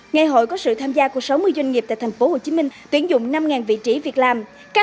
ngày hội có sự tham gia của sáu mươi doanh nghiệp tại tp hcm tuyển dụng năm vị trí việc làm